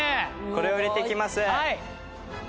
これを入れていきます。